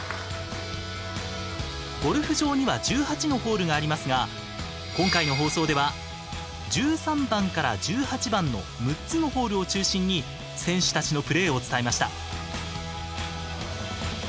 ゴルフ場には１８のホールがありますが今回の放送では１３番から１８番の６つのホールを中心に選手たちのプレーを伝えました。